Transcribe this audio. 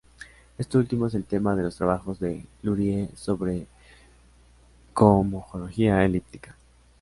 Esto último es el tema de los trabajos de Lurie sobre cohomología elíptica.